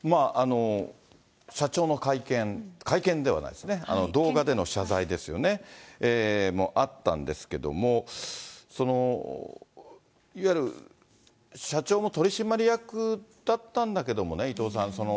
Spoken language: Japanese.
社長の会見、会見ではないですね、動画での謝罪ですよね、もあったんですけれども、いわゆる社長も取締役だったんだけどもね、伊藤さん、